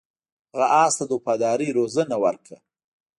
هغه اس ته د وفادارۍ روزنه ورکړه.